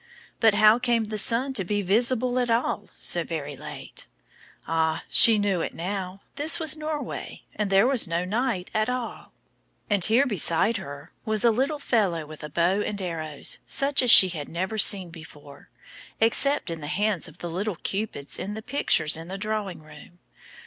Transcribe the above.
But how came the sun to be visible at all so very late? Ah! she knew it now; this was Norway, and there was no night at all! And here beside her was a little fellow with a bow and arrows, such as she had never seen before, except in the hands of the little Cupids in the pictures in the drawing room.